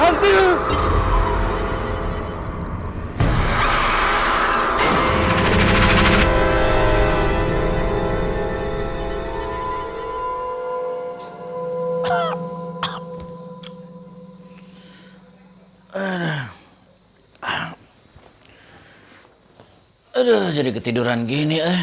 aduh jadi ketiduran gini